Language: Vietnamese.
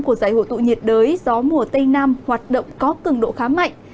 của giải hội tụ nhiệt đới gió mùa tây nam hoạt động có cường độ khá mạnh